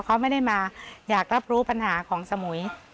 เขาไม่ได้มาอยากรับรู้ปัญหาของสมุย